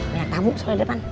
lihat tamu soalnya di depan